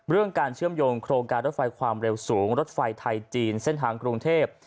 เรื่องการเชื่อมโยงโครงการรถไฟความเร็วสูงรถไฟไทยจีนเส้นทางกรุงเทพ